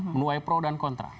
menuai pro dan kontra